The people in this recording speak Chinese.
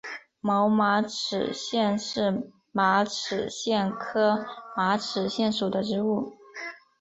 毛马齿苋是马齿苋科马齿苋属的植物。